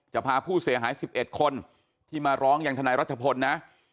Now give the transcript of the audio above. พาผู้เสียหาย๑๑คนที่มาร้องยังทนายรัชพลนะ